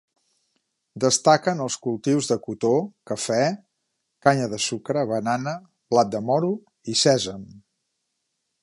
Destaquen els cultius de cotó, cafè, canya de sucre, banana, blat de moro i sèsam.